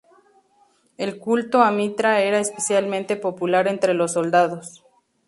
El culto a Mitra era especialmente popular entre los soldados.